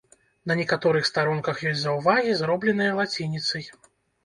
На некаторых старонках ёсць заўвагі, зробленыя лацініцай.